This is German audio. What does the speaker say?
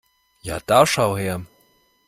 Ja da schau her!